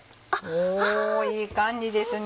おいい感じですね。